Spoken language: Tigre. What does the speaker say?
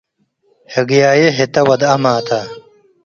ህግያዬ ህተ ወደአመ ተ ።